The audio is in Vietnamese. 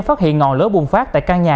phát hiện ngọn lỡ bùng phát tại căn nhà